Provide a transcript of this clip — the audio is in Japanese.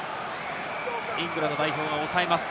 イングランド代表が抑えます。